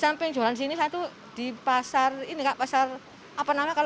masalah gini enggak saya